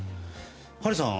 ハリーさん